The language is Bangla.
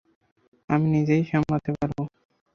আমি নিজেই সামলাতে পারবো।